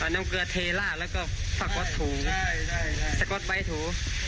น้องเกลือเทราะแล้วก็สก๊อตไว้ถู